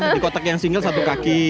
di kotak yang single satu kaki